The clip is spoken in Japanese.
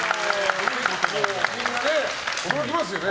驚きますよね。